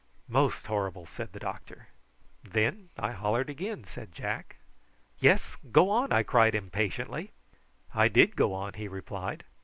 "Most horrible!" said the doctor. "Then I hollered again," said Jack. "Yes; go on!" I cried impatiently. "I did go on," he replied.